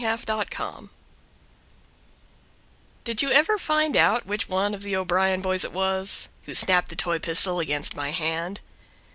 Charlie French Did you ever find out Which one of the O'Brien boys it was Who snapped the toy pistol against my hand?